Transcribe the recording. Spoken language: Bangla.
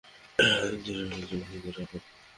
ধীরাজ, ভিতরে আসো।